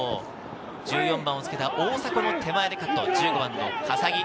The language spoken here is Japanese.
１４番をつけた大迫も手前でカット、１５番・笠置。